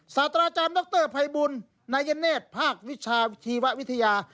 ศาสตราจารย์ดรภัยบุญนายเนธภาควิชาชีววิทยา